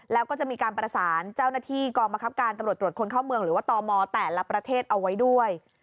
แล้วก็จะมีการประสานเจ้าหน้าที่กองบังคับการตำรวจตรวจคนเข้าเมืองหรือว่าตมแต่ละประเทศเอาไว้ด้วย